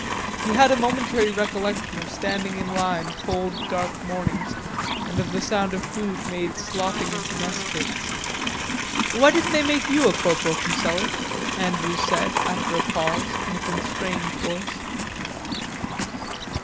He had a momentary recollection of standing in line cold dark mornings and of the sound the food made slopping into mess kits. "Why didn't they make you a corporal, Fuselli?" Andrcws said, after a pause, in a constrained voice.